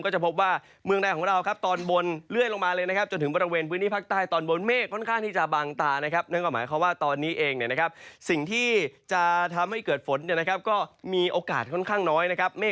ก็จะพบว่าเมืองใดของเราตอนบนเรื่อยลงมาเลย